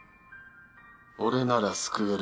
俺なら救える